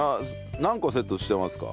何個セットしてますか？